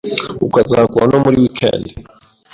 akazahakora no muri week end.